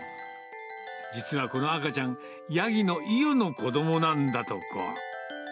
実はこの赤ちゃん、ヤギのイヨの子どもなんだとか。